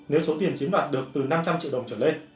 nếu số tiền chiếm đoạt được từ năm trăm linh triệu đồng trở lên